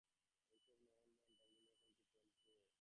ঐ-সব নয়ন-বাণ-টানগুলোর এখন কি আর চলন আছে?